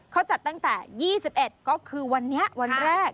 เขาจัดตั้งแต่๒๑ก็คือวันนี้วันแรก